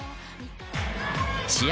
試合